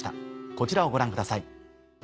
こちらをご覧ください。